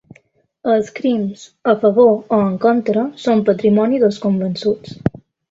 Els crims, a favor o en contra, són patrimoni dels convençuts”.